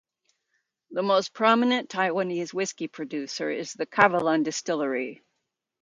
The most prominent Taiwanese whisky producer is the Kavalan Distillery.